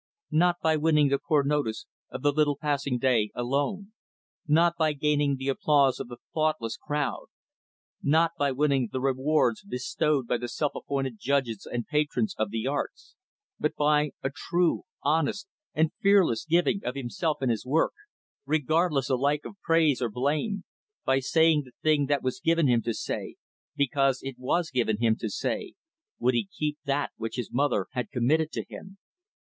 Not by winning the poor notice of the little passing day, alone; not by gaining the applause of the thoughtless crowd; not by winning the rewards bestowed by the self appointed judges and patrons of the arts; but by a true, honest, and fearless giving of himself in his work, regardless alike of praise or blame by saying the thing that was given him to say, because it was given him to say would he keep that which his mother had committed to him.